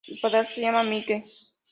Su padrastro se llama Mike.